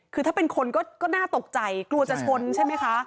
คือถ้าเป็นคนก็น่าตกใจกลัวจะชนใช่ไหมคะ